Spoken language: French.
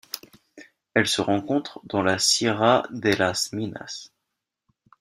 Elle se rencontre dans la Sierra de las Minas.